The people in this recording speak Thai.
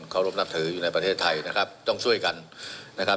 เขารบนับถืออยู่ในประเทศไทยนะครับต้องช่วยกันนะครับ